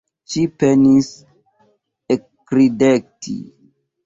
Ŝi penis ekrideti.